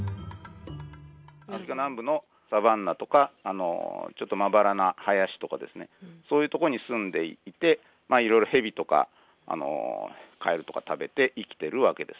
アフリカ南部のサバンナとか、ちょっとまばらな林とかですね、そういう所に住んでいて、いろいろ、ヘビとか、カエルとか食べて生きてるわけです。